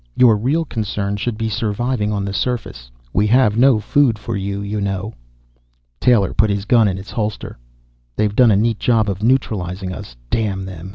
Your real concern should be surviving on the surface. We have no food for you, you know." Taylor put his gun in its holster. "They've done a neat job of neutralizing us, damn them.